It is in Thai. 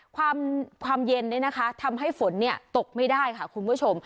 ความเย็นเนี่ยนะคะทำให้ฝนตกไม่ได้ค่ะคุณผู้ชม